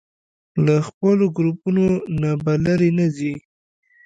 له خپلو ګروپونو نه به لرې نه ځئ.